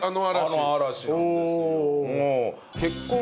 あの「嵐」なんですよ。